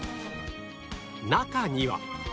中には